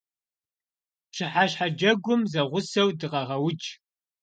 Пщыхьэщхьэ джэгум зэгъусэу дыкъэгъэудж.